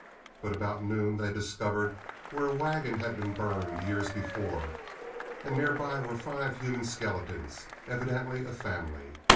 But about noon they discovered where a wagon had been burned, years before, and near by were five human skeletons, evidently a family.